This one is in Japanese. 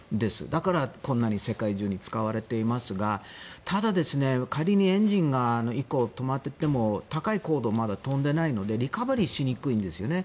だから、こんなに世界中に使われていますがただ、仮にエンジンが１個止まっていても高い高度、まだ飛んでいないのでリカバリーしにくいんですね。